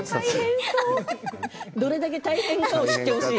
どれだけ大変かを知ってほしい。